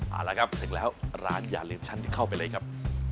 เอาละครับถึงแล้วร้านอย่าลืมฉันเข้าไปเลยครับ